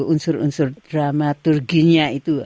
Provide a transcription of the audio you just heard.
unsur unsur dramaturginya itu